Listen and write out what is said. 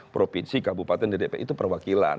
provinsi kabupaten ddp itu perwakilan